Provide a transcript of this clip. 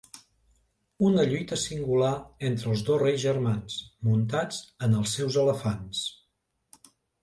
Una lluita singular entre els dos reis germans muntats en els seus elefants.